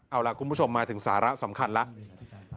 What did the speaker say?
เอาล่ะคุณผู้ชมมาถึงสาระสำคัญแล้ว